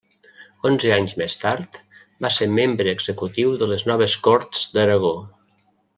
Onze anys més tard va ser membre executiu de les noves Corts d'Aragó.